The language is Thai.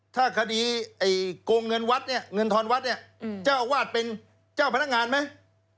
ถ้าคดีโกงเงินทรวัฒน์เนี่ยเจ้าอาวาทเป็นเจ้าพนักงานไหม